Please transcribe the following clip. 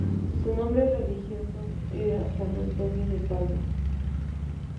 Su nombre religioso era "San Antonio de Padua".